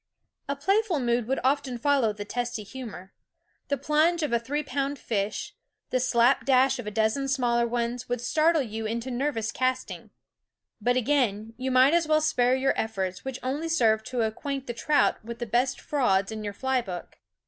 A playful mood would often follow the testy humor. The plunge of a three pound fish, the slap dash of a dozen smaller ones would startle you into nervous casting. But again you might as well spare your efforts, which only served to acquaint the trout with the best frauds in your fly book.